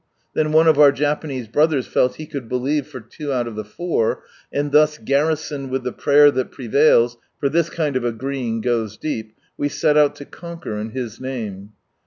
Then one of our Japanese brothers felt he could believe for two out of the four ; and thus garrisoned with the prayer that prevails, for this kind of " agreeing " goes deep, we set out to conquer, in His name.